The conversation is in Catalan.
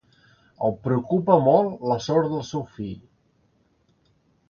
El preocupa molt la sort del seu fill.